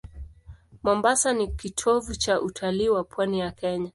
Mombasa ni kitovu cha utalii wa pwani ya Kenya.